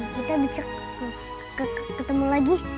kita dicukup ketemu lagi